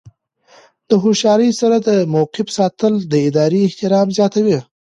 د هوښیارۍ سره د موقف ساتل د ادارې احترام زیاتوي.